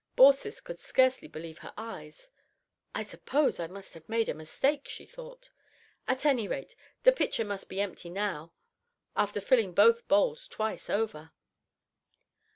Baucis could scarcely believe her eyes. "I suppose I must have made a mistake," she thought, "at any rate the pitcher must be empty now after filling both bowls twice over."